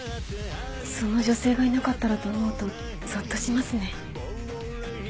その女性がいなかったらと思うとゾッとしますね。